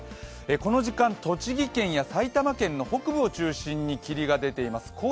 この時間、栃木県や埼玉県の北部を中心に霧が出ています。